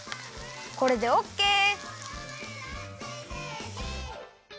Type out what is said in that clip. これでオッケー！